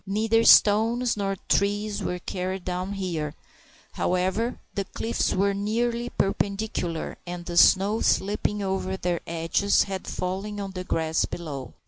Neither stones nor trees were carried down here, however, for the cliffs were nearly perpendicular, and the snow slipping over their edges had fallen on the grass below.